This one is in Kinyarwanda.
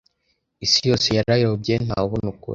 Isi yose yarayobye ntawubona ukuri